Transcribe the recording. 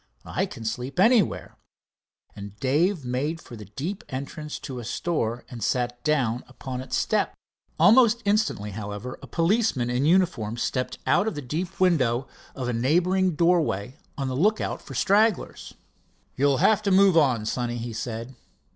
"I can sleep anywhere," and Dave made for the deep entrance to a store and sat down upon its step. Almost instantly, however, a policeman in uniform stepped out of the deep shadow of a neighboring doorway, on the lookout for stragglers. "You'll have to move on, sonny," he said.